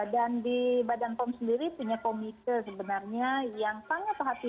dan di badan pom sendiri punya komite sebenarnya yang sangat hati hati